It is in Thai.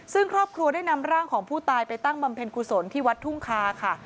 ซึ่งครอบครัวได้นำร่างของผู้ตายไปตั้งบำเพ็ญกุศลที่วัดทุ่งคาค่ะ